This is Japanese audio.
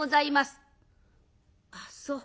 「あっそう。